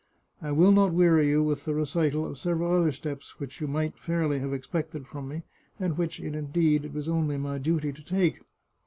I will not weary you with the recital of several other steps which you might fairly have expected from me, and which, indeed, it was only my duty to take.